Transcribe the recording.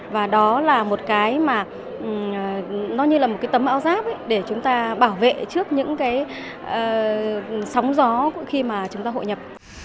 và đó là một cái mà nó như là một cái tấm áo giáp để chúng ta bảo vệ trước những cái sóng gió khi mà chúng ta hội nhập